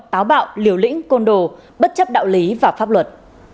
táo bạo liều lĩnh côn đồ bất chấp đạo lý và pháp luật